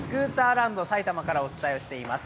ランド埼玉からお伝えしています。